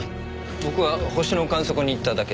僕は星の観測に行っただけです。